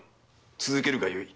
続けるがよい。